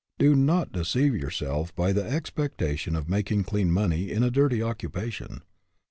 Do not deceive yourself by the expectation of making clean money in a dirty occupation.